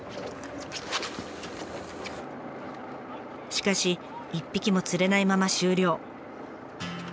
しかし一匹も釣れないまま終了。